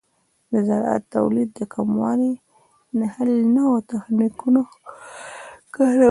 د زراعت د تولید د کموالي حل د نوو تخنیکونو کارول دي.